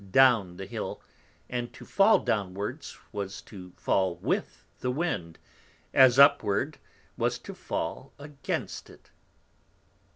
_ down the Hill; and to fall downwards was to fall with the Wind, as upward, was to fall against it.